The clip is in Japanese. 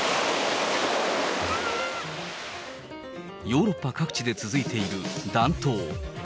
ヨーロッパ各地で続いている暖冬。